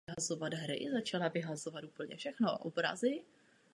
Vila je první z řady vil v této ulici.